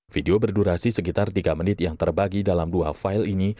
video berdurasi sekitar tiga menit yang terbagi dalam dua file ini